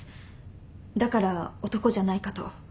だから男じゃないかと。